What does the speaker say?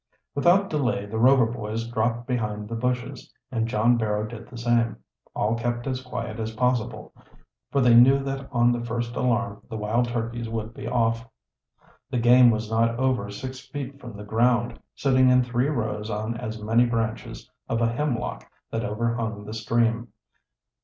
Without delay the Rover boys dropped behind the bushes, and John Barrow did the same. All kept as quiet as possible, for they knew that on the first alarm the wild turkeys would be off. The game was not over six feet from the ground, sitting in three rows on as many branches of a hemlock that overhung the stream.